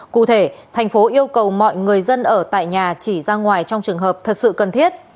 cụ thể thành phố yêu cầu mọi người dân ở tại nhà chỉ ra ngoài trong trường hợp thật sự cần thiết